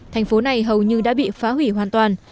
thành phố này hầu như đã bị phá hủy hoàn toàn